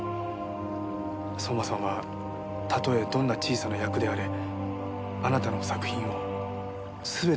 相馬さんはたとえどんな小さな役であれあなたの作品を全て見ていたんです。